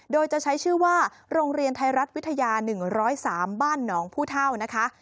โดยจะใช้ชื่อว่าโรงเรียนไทยรัฐวิทยา๑๐๓บ้านหนองผู้เท่านะคะ